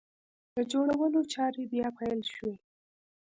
د جوړولو چارې بیا پیل شوې!